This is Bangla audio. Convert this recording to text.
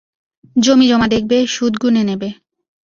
জমিজমা দেখবে, সুদ গুনে নেবে।